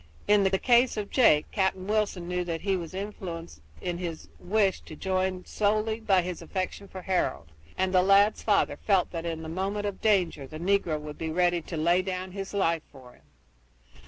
In the case of Jake, Captain Wilson knew that he was influenced in his wish to join solely by his affection for Harold, and the lad's father felt that in the moment of danger the negro would be ready to lay down his life for him.